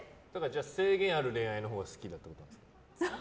制限ある恋愛のほうが好きだってことですか？